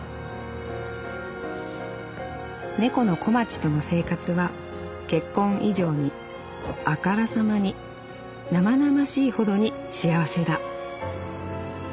「猫の小町との生活は『結婚』以上にあからさまに生々しいほどに幸せだ」。